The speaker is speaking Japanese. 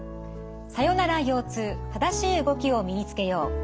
「さよなら腰痛正しい動きを身につけよう」。